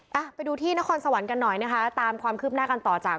อ่ะไปดูที่นครสวรรค์กันหน่อยนะคะตามความคืบหน้ากันต่อจาก